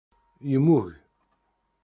Yemmug.